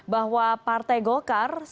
bahwa partai golkar